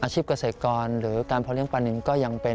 อาชีพเกษกรหรือการเพิ่มปลานินก็ยังเป็น